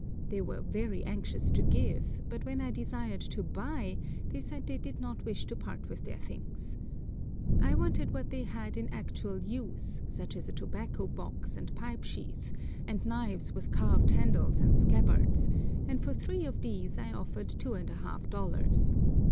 They were very anxious to give, but when I desired to buy they said they did not wish to part with their things. I wanted what they had in actual use, such as a tobacco box and pipe sheath, and knives with carved handles and scabbards, and for three of these I offered 2½ dollars.